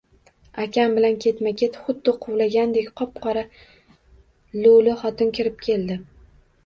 Akam bilan ketma-ket xuddi quvlagandek, qop-qora lo‘li xotin kirib keldi.